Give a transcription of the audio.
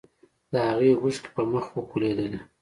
د هغې اوښکې په مخ وکولېدلې.